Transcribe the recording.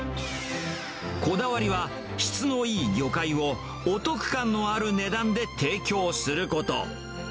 こだわりは、質のいい魚介をお得感のある値段で提供すること。